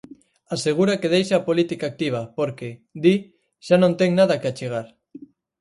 Asegura que deixa a política activa porque, di, xa non ten nada que achegar.